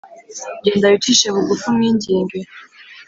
genda wicishe bugufi umwinginge